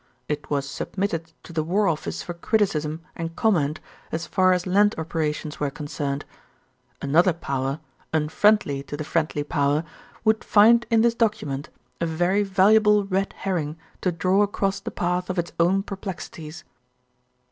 It was submitted to the War Office for criticism and comment as far as land operations were concerned. Another power, unfriendly to the friendly power, would find in this document a very valuable red herring to draw across the path of its own perplexities."